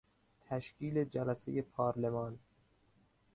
تشکیل جلسهی پارلمان